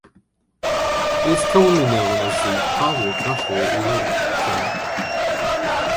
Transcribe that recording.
It is commonly known as the powdered ruffle lichen.